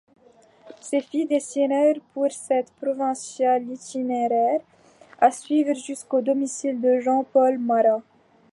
Ses filles dessinèrent pour cette provinciale l'itinéraire à suivre jusqu'au domicile de Jean-Paul Marat.